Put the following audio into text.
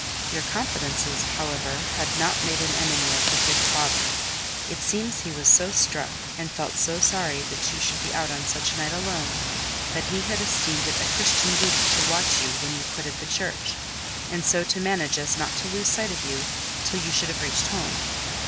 Your confidences, however, had not made an enemy of the good father; it seems he was so struck, and felt so sorry that you should be out on such a night alone, that he had esteemed it a Christian duty to watch you when you quitted the church, and so to manage as not to lose sight of you, till you should have reached home.